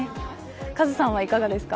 カズさんはいかがですか。